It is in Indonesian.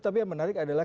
tapi yang menarik adalah